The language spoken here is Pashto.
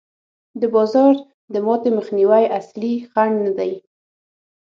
د بازار د ماتې مخنیوی اصلي خنډ نه دی.